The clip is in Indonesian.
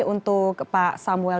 untuk pak samuel